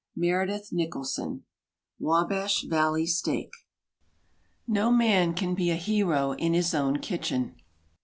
Meredith Nicholson WABASH VALLEY STEAK No man can be a hero in his own kitchen.